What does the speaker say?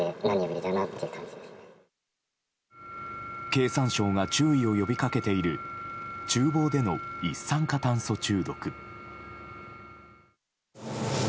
経産省が注意を呼びかけている厨房での一酸化炭素中毒。